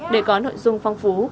để có nội dung phong phú